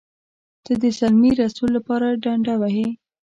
ته د زلمي رسول لپاره ډنډه وهې.